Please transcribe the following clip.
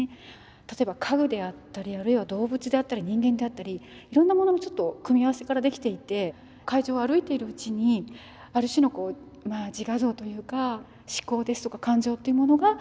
例えば家具であったりあるいは動物であったり人間であったりいろんなもののちょっと組み合わせから出来ていて会場を歩いているうちにある種のこうまあ自画像というか思考ですとか感情というものが浮かんでくる。